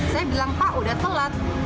saya bilang pak udah telat